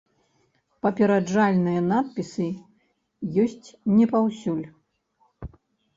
Папераджальныя надпісы ёсць не паўсюль.